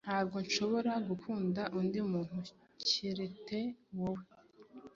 Ntabwo nshobora gukunda undi muntu kerete wowe